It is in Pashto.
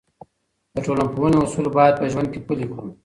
د ټولنپوهنې اصول باید په ژوند کې پلي کړو.